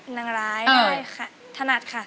นางร้ายใช่ค่ะถนัดค่ะ